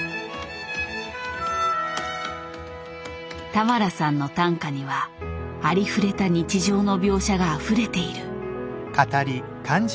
俵さんの短歌にはありふれた日常の描写があふれている。